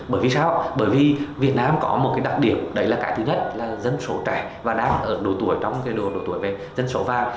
bởi vì sao bởi vì việt nam có một cái đặc điểm đấy là cái thứ nhất là dân số trẻ và đang ở độ tuổi trong cái đồ độ tuổi về dân số vàng